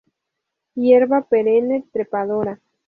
Hierba perenne trepadora.